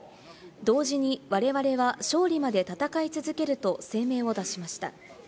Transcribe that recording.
同時にわれわれは勝利まで戦い続けると声明を出しました。